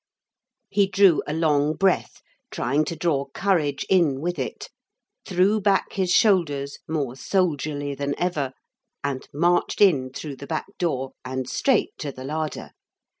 He drew a long breath, trying to draw courage in with it, threw back his shoulders more soldierly than ever, and marched in through the back door and straight to the larder.